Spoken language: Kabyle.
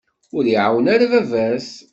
Ur iɛawen ara baba-s.